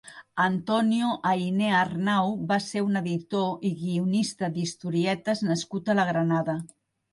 Antonio Ayné Arnau va ser un editor i guionista d'historietes nascut a la Granada.